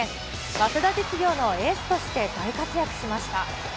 早稲田実業のエースとして大活躍しました。